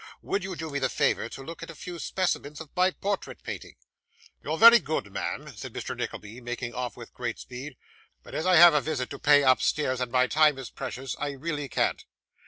'Would you do me the favour to look at a few specimens of my portrait painting?' 'You're very good, ma'am,' said Mr. Nickleby, making off with great speed; 'but as I have a visit to pay upstairs, and my time is precious, I really can't.